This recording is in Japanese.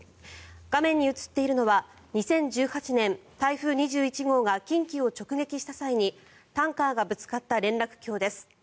画面に映っているのは２０１８年、台風２１号が近畿を直撃した際にタンカーがぶつかった連絡橋です。